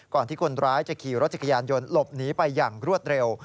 ที่คนร้ายจะขี่รถจักรยานยนต์หลบหนีไปอย่างรวดเร็ว